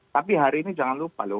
tapi hari ini jangan lupa loh